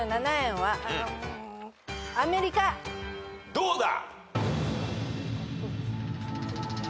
どうだ？